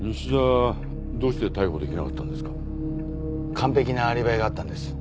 完ぺきなアリバイがあったんです。